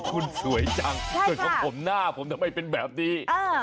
ก็คุณสวยจังสวัสดีครับแต่ของผมหน้าทำไมเป็นแบบนี้